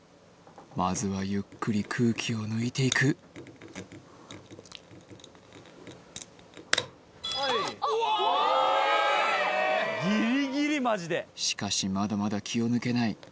まずはゆっくり空気を抜いていく危ねえギリギリマジでしかしまだまだ気を抜けない